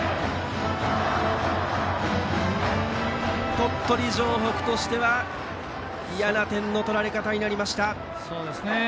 鳥取城北としてはいやな点の取られ方になりました。